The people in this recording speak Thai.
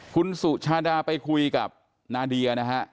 คุณสุชาดาไปคุยกับนาเดียนะฮะ